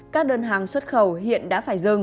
các đơn hàng xuất khẩu hiện đã phải dừng